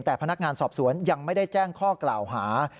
แต่พนักงานสอบสวนยังไม่ได้แจ้งข้อกล่าวหา